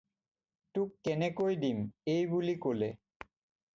"তোক কেনেকৈ দিম?" এইবুলি ক'লে।"